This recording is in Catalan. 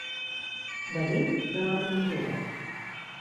Venim de l'Armentera.